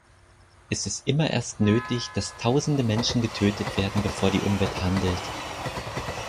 Ist es immer erst nötig, dass Tausende Menschen getötet werden, bevor die Umwelt handelt?